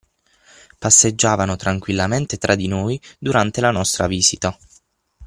Passeggiavano tranquillamente tra di noi durante la nostra visita.